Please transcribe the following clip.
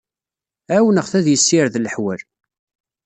Ɛawneɣ-t ad yessired leḥwal.